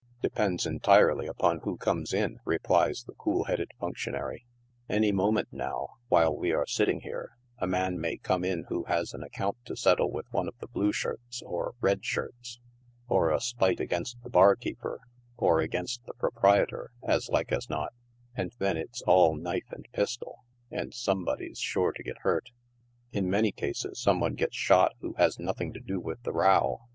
" Depends entirely upon who comes in/' replies that cool headed functionary "Any moment now, while we are silting here, a man may come in who has an account to settle with one of the blue shirts or red shirts, er a spite against the bar keeper, or against the proprietor as like as not, and then it's all Lnitc and pistol, and somebody's sure to get hurt. In many cases some one gets shot who has nothing to do with the row.